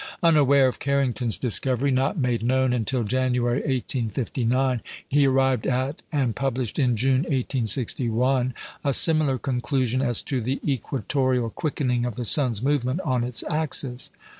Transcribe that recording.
Unaware of Carrington's discovery (not made known until January, 1859), he arrived at and published, in June, 1861, a similar conclusion as to the equatorial quickening of the sun's movement on its axis.